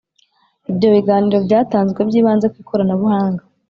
ibyo biganiro byatanzwe byibanze ku ikoranabuhanga